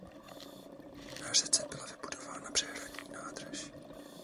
Na řece byla vybudována přehradní nádrž.